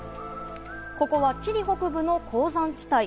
ここはチリ北部の鉱山地帯。